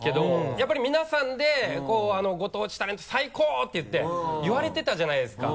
やっぱり皆さんで「ご当地タレント最高！」っていって言われてたじゃないですか。